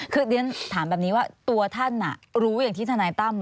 คือเรียนถามแบบนี้ว่าตัวท่านรู้อย่างที่ทนายตั้ม